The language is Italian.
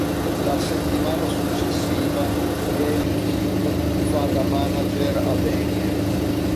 La settimana successiva Gail Kim fa da Manager a Daniel.